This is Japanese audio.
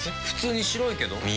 普通に白いけど。